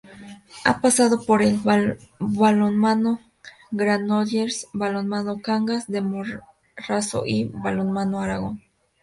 Ha pasado por el Balonmano Granollers, Balonmano Cangas de Morrazo y el Balonmano Aragón.